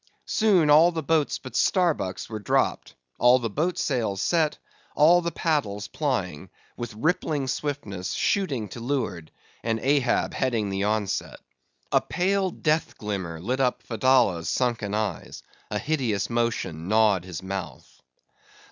Soon all the boats but Starbuck's were dropped; all the boat sails set—all the paddles plying; with rippling swiftness, shooting to leeward; and Ahab heading the onset. A pale, death glimmer lit up Fedallah's sunken eyes; a hideous motion gnawed his mouth.